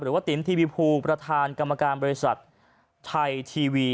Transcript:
ติ๋มทีวีภูประธานกรรมการบริษัทไทยทีวี